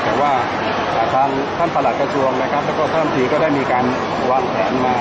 แต่ว่าท่านผลัสกระทรวงและท่านท่านทีก็ได้มีการวางแผนมา